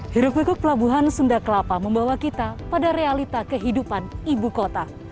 hirup pikuk pelabuhan sunda kelapa membawa kita pada realita kehidupan ibu kota